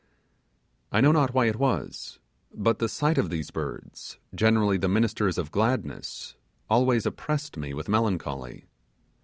I know not why it was, but the sight of these birds, generally the ministers of gladness, always oppressed me with melancholy.